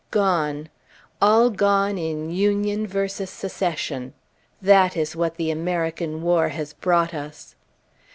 Gone! All gone in Union versus Secession! That is what the American War has brought us.